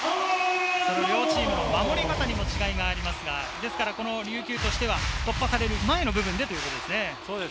両チームの守り方にも違いがありますが、琉球としては突破される前の部分でというところですね。